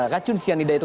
racun cyanida itu